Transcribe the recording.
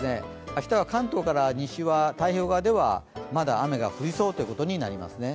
明日は関東から西は太平洋側では、まだ雨が降りそうということになりますね。